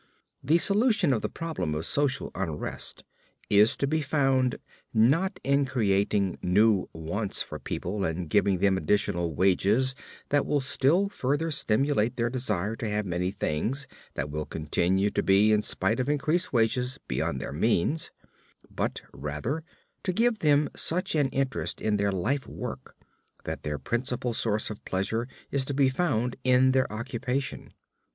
The solution of the problem of social unrest is to be found, not in creating new wants for people and giving them additional wages that will still further stimulate their desire to have many things that will continue to be in spite of increased wages beyond their means, but rather to give them such an interest in their life work that their principal source of pleasure is to be found in their occupation.